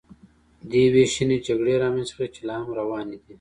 دې وېشنې جګړې رامنځته کړې چې لا هم روانې دي